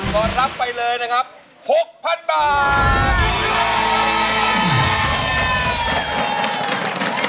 ก็รับไปเลยนะครับ๖๐๐๐บาท